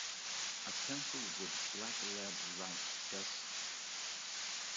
A pencil with black lead writes best.